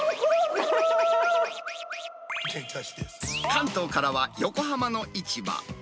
関東からは、横浜の市場。